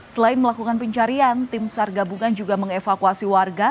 selain melakukan pencarian tim sar gabungan juga mengevakuasi warga